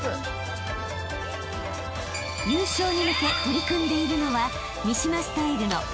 ［優勝に向け取り組んでいるのは］